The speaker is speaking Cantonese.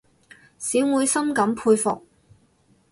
小妹深感佩服